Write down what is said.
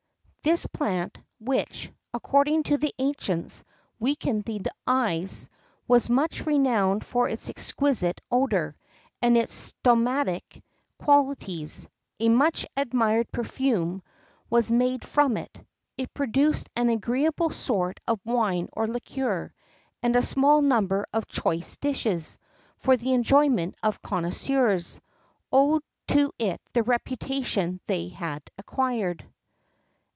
This plant, which, according to the ancients, weakened the eyes,[X 13] was much renowned for its exquisite odour,[X 14] and its stomachic qualities.[X 15] A much admired perfume[X 16] was made from it; it produced an agreeable sort of wine or liqueur;[X 17] and a small number of choice dishes, for the enjoyment of connoisseurs, owed to it the reputation they had acquired.